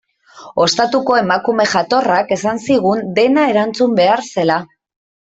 Ostatuko emakume jatorrak esan zigun dena erantzun behar zela.